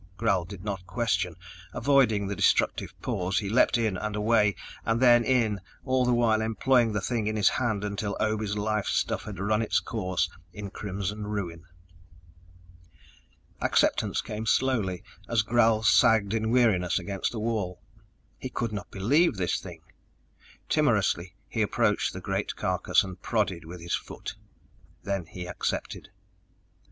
Gral did not question. Avoiding the destructive paws, he leaped in and away, and then in, all the while employing the thing in his hand until Obe's life stuff had run its course in crimson ruin. Acceptance came slowly, as Gral sagged in weariness against the wall. He could not believe this thing! Timorously, he approached the great carcass and prodded with his foot. Then he accepted.